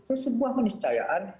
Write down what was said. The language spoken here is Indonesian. itu sebuah menisayaan